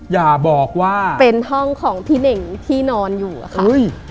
อย่าบอกว่าเป็นห้องของพี่เน่งที่นอนอยู่อะค่ะ